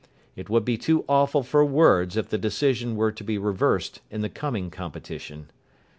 It would be too awful for words if the decision were to be reversed in the coming competition.